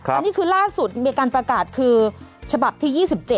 อันนี้คือล่าสุดมีการประกาศคือฉบับที่๒๗